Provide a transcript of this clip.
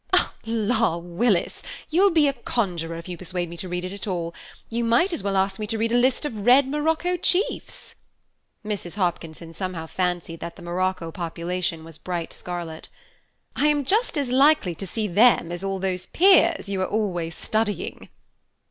"Law, Willis, you'll be a conjuror if you persuade me to read it at all. You might as well ask me to read a list of Red Morocco Chiefs," (Mrs. Hopkinson somehow fancied that the Morocco population was bright scarlet). "I am just as likely to see them as all those peers you are always studying."